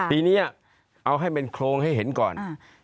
ทีนี้เอาให้เป็นโครงให้เห็นก่อน